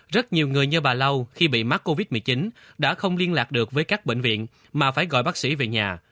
rất nhiều người như bà lâu khi bị mắc covid một mươi chín đã không liên lạc được với các bệnh viện mà phải gọi bác sĩ về nhà